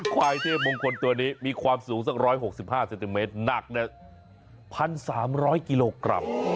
ควายเทพมงคลตัวนี้มีความสูงสัก๑๖๕เซนติเมตรหนัก๑๓๐๐กิโลกรัม